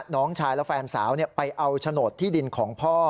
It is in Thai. น้องชายและแฟนสาวไปเอาโฉนดที่ดินของพ่อ